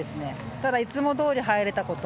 ただいつもどおり入れたこと。